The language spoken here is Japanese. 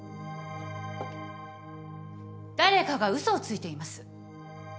誰かが嘘をついています。